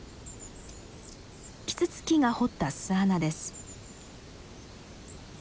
キツツキが掘った巣穴です。